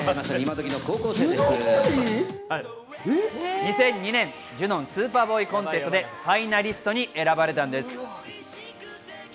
２００２年、ジュノン・スーパーボーイ・コンテストでファイナリストに選ばれたんです。